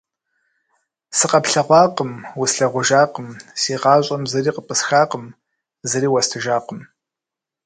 Сыкъэплъэгъуакъым, услъагъужакъым, си гъащӀэм зыри къыпӀысхакъым, зыри уэстыжакъым.